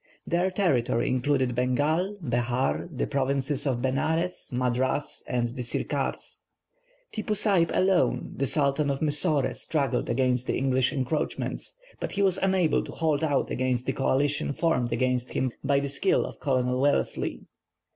Their territory included Bengal, Behar, the provinces of Benares, Madras, and the Sircars. Tippoo Saib alone, the Sultan of Mysore, struggled against the English encroachments, but he was unable to hold out against the coalition formed against him by the skill of Colonel Wellesley.